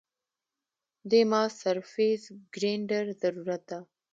دې ما سرفېس ګرېنډر ضرورت ده